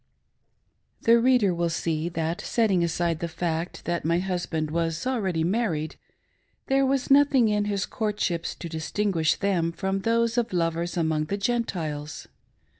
THE reader will see that, setting aside the fact that my husband was already married, there was nothing in his courtships to distinguish them from those of lovers among the Gentiles.